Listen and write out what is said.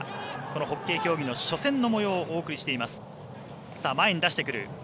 ホッケー競技の初戦のもようをお送りしています。